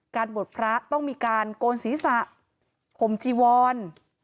บวชพระต้องมีการโกนศีรษะห่มจีวร